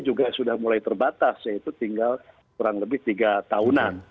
juga sudah mulai terbatas yaitu tinggal kurang lebih tiga tahunan